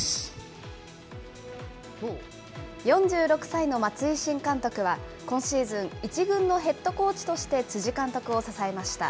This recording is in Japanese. ４６歳の松井新監督は、今シーズン、１軍のヘッドコーチとして辻監督を支えました。